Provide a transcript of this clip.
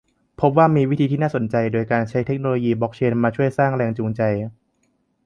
พบว่ามีวิธีที่น่าสนใจโดยการใช้เทคโนโลยีบล็อกเชนจ์มาช่วยสร้างแรงจูงใจ